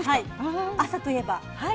朝といえば。